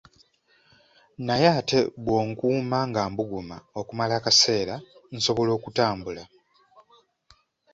Naye ate bw’onkuuma nga mbuguma okumala akasera, nsobola okutambula.